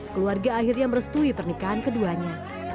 keluarga akhirnya merestui pernikahan keduanya